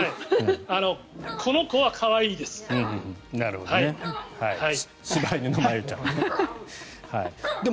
この子は可愛いです。